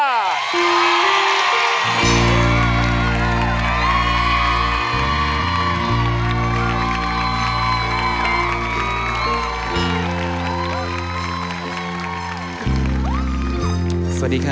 สวัสดีค่ะ